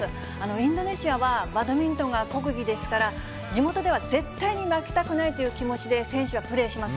インドネシアはバドミントンが国技ですから、地元では絶対に負けたくないという気持ちで選手はプレーします。